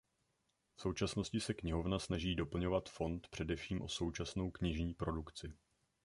V současnosti se knihovna snaží doplňovat fond především o současnou knižní produkci.